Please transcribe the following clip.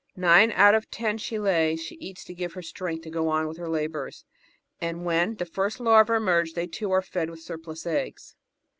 Nine out of ten she lays, she eats to give her strength to go on with her labours, and when the first larvas emerge they too are fed with surplus eggs.